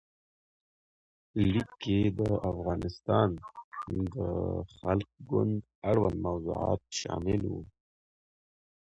لیک کې د افغانستان د خلق ګوند اړوند موضوعات شامل وو.